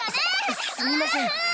すすみません。